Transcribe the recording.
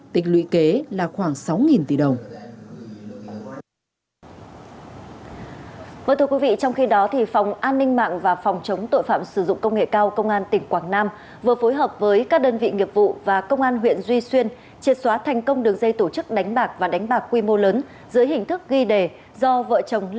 tính lụy kế là khoảng sáu tỷ đồng